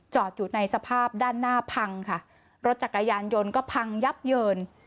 อยู่ในสภาพด้านหน้าพังค่ะรถจักรยานยนต์ก็พังยับเยิน